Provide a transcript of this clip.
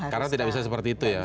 karena tidak bisa seperti itu ya